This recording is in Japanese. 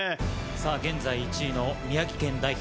現在１位の宮城県代表